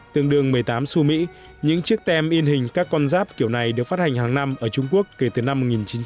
tương đương một mươi tám su mỹ những chiếc tem in hình các con giáp kiểu này được phát hành hàng năm ở trung quốc kể từ năm một nghìn chín trăm chín mươi